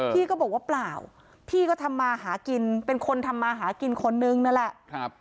พี่ก็บอกว่าเปล่าพี่ก็ทำมาหากินเป็นคนทำมาหากินคนนึงนั่นแหละ